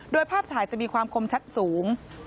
โดยภาพถ่ายจะมีความคมชัดสูง